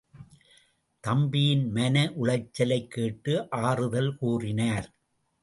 தம்பியின் மன உளைச்சலைக் கேட்டு ஆறுதல் கூறினார்.